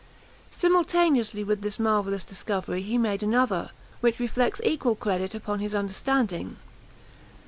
Simultaneously with this marvellous discovery he made another, which reflects equal credit upon his understanding.